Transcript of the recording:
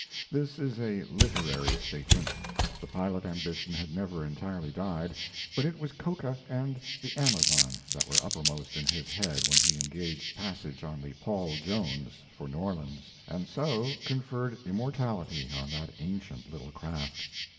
This is a literary statement. The pilot ambition had never entirely died; but it was coca and the Amazon that were uppermost in his head when he engaged passage on the Paul Jones for New Orleans, and so conferred immortality on that ancient little craft.